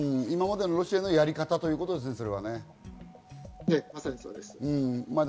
今までのロシアのやり方ということですね。